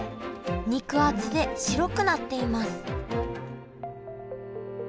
肉厚で白くなっています